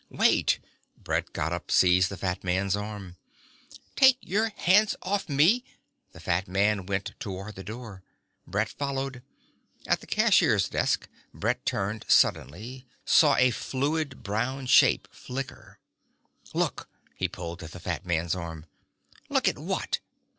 "Wait!" Brett got up, seized the fat man's arm. "Take your hands off me " The fat man went toward the door. Brett followed. At the cashier's desk Brett turned suddenly, saw a fluid brown shape flicker "Look!" He pulled at the fat man's arm "Look at what?"